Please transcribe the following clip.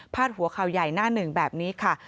หัวข่าวใหญ่หน้าหนึ่งแบบนี้ค่ะ